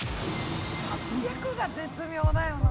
８００が絶妙だよな。